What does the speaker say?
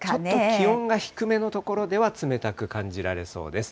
気温が低めの所では冷たく感じられそうです。